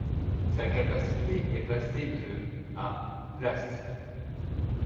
Sa capacité est passée de à places.